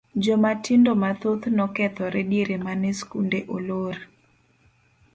Jomatindo mathoth nokethore diere mane skunde olor.